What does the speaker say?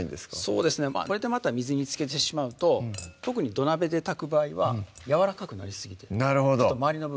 そうですね水につけてしまうと特に土鍋で炊く場合はやわらかくなりすぎてなるほど周りの